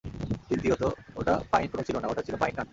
দ্বিতীয়ত, ওটা pine cone ছিল না, ওটা ছিল পাইন নাট।